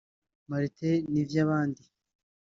Martin Nivyabandi